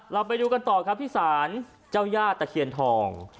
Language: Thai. เราไปดูกันต่อครับที่ศาลเจ้าย่าตะเคียนทอง